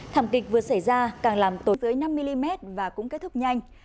thảm kịch vừa xảy ra càng làm tối dưới năm mm và cũng kết thúc nhanh